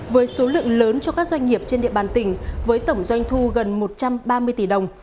với số lượng lớn cho các doanh nghiệp trên địa bàn tỉnh với tổng doanh thu gần một trăm ba mươi tỷ đồng